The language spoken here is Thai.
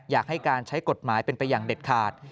อยากให้การใช้กฎหมายเป็นไปอย่างเด็ดขาด